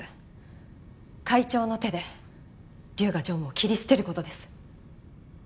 会長の手で龍河常務を切り捨てる事です。